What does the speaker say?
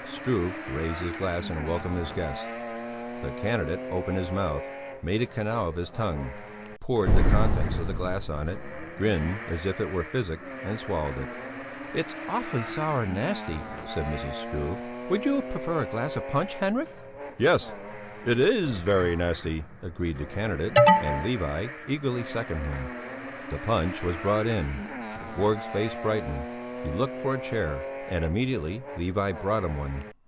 Struve raised his glass and welcomed his guests. The candidate opened his mouth, made a canal of his tongue, poured the contents of the glass on it, grinned as if it were physic and swallowed it. "It's awfully sour and nasty," said Mrs. Struve; "would you prefer a glass of punch, Henrik?" "Yes, it is very nasty," agreed the candidate, and Levi eagerly seconded him. The punch was brought in. Borg's face brightened; he looked for a chair, and immediately Levi brought him one.